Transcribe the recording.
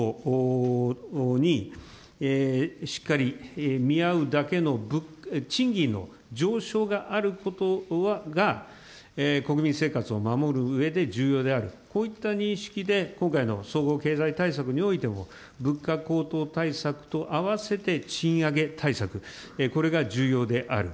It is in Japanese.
物価高騰にしっかり見合うだけの賃金の上昇があることが、国民生活を守るうえで重要である、こういう認識で今回の総合経済対策においても、物価高騰対策と合わせて賃上げ対策、これが重要である。